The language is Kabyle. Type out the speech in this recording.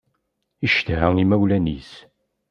Yeccedha imawlan-is.